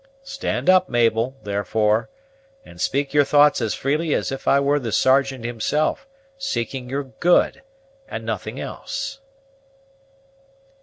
Stand up, Mabel, therefore, and speak your thoughts as freely as if I were the Sergeant himself, seeking your good, and nothing else."